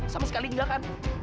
sama sekali gak kan